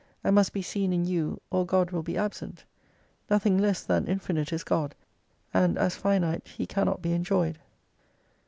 And must be seen in you, or God will be absent : Nothing less than infinite is God, and as finite He cannot be enjoyed.